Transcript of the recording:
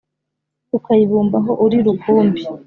Ukayibumbaho uri rukumbi!”